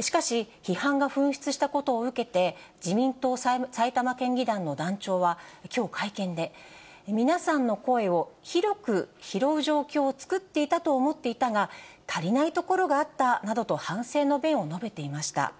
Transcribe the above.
しかし批判が噴出したことを受けて、自民党埼玉県議団の団長は、きょう会見で、皆さんの声を広く拾う状況を作っていたと思っていたが、足りないところがあったなどと反省の弁を述べていました。